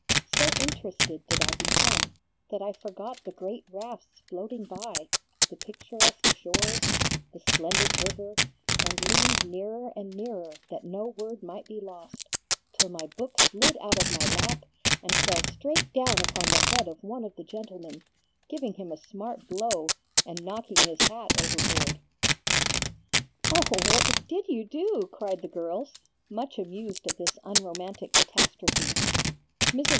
So interested did I become that I forgot the great rafts floating by, the picturesque shores, the splendid river, and leaned nearer and nearer that no word might be lost, till my book slid out of my lap and fell straight down upon the head of one of the gentlemen, giving him a smart blow, and knocking his hat overboard." "Oh, what DID you do?" cried the girls, much amused at this unromantic catastrophe. Mrs.